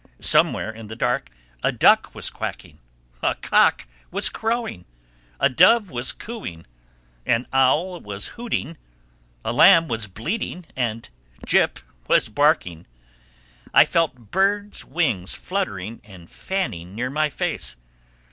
Somewhere in the dark a duck was quacking, a cock was crowing, a dove was cooing, an owl was hooting, a lamb was bleating and Jip was barking. I felt birds' wings fluttering and fanning near my face.